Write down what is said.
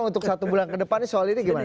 untuk satu bulan ke depannya soal ini gimana